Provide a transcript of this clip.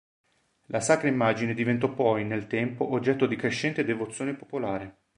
La sacra immagine diventò poi, nel tempo, oggetto di crescente devozione popolare.